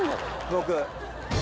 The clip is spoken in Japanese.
僕。